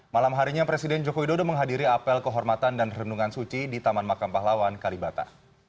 malam harinya presiden joko widodo menghadiri apel kehormatan dan renungan suci di taman makam pahlawan kalibata